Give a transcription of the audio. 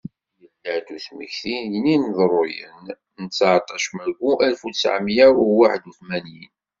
Yella-d usmekti n yineḍruyen n tesɛeṭac maggu alef utsɛemya uwaḥed utmanyin.